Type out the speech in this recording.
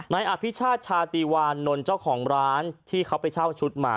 นายอภิชาติชาตีวานนท์เจ้าของร้านที่เขาไปเช่าชุดมา